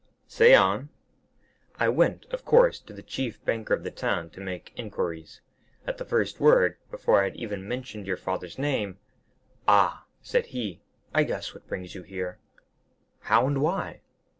"Say on." "I went, of course, to the chief banker of the town to make inquiries. At the first word, before I had even mentioned your father's name"— "'Ah,' said he. 'I guess what brings you here.' "'How, and why?